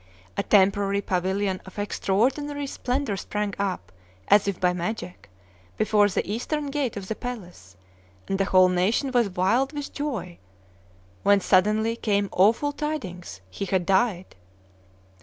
A temporary pavilion of extraordinary splendor sprang up, as if by magic, before the eastern gate of the palace; and the whole nation was wild with joy; when suddenly came awful tidings, he had died!